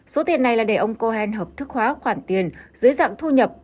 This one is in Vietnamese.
số tiền này là để ông cohen hợp thức hóa khoản tiền dưới dạng thu nhập